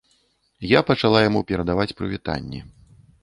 Я пачала яму перадаваць прывітанні.